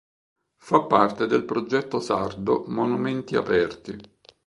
Fa parte del progetto sardo Monumenti aperti.